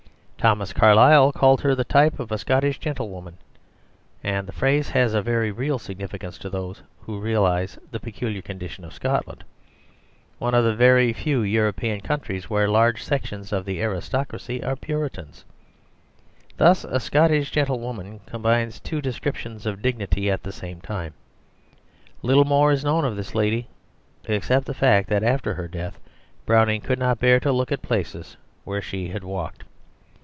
Thomas Carlyle called her "the type of a Scottish gentlewoman," and the phrase has a very real significance to those who realise the peculiar condition of Scotland, one of the very few European countries where large sections of the aristocracy are Puritans; thus a Scottish gentlewoman combines two descriptions of dignity at the same time. Little more is known of this lady except the fact that after her death Browning could not bear to look at places where she had walked.